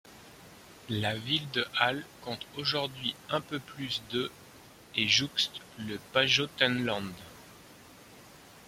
La ville de Hal compte aujourd’hui un peu plus de et jouxte le Pajottenland.